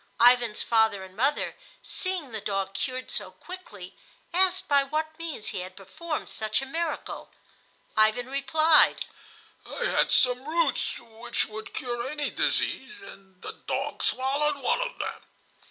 Ivan's father and mother, seeing the dog cured so quickly, asked by what means he had performed such a miracle. Ivan replied: "I had some roots which would cure any disease, and the dog swallowed one of them."